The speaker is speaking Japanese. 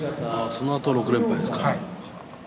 そのあと６連敗ですか。